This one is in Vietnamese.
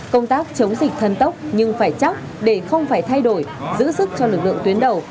công tác chống dịch thân tốc nhưng phải chắc để không phải thay đổi giữ sức cho lực lượng tuyến đầu